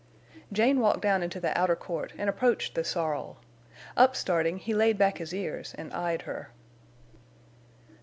Jane walked down into the outer court and approached the sorrel. Upstarting, he laid back his ears and eyed her.